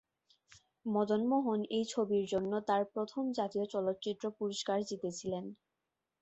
মদন মোহন এই ছবির জন্য তাঁর প্রথম জাতীয় চলচ্চিত্র পুরস্কার জিতেছিলেন।